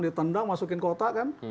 ditendang masukin kota kan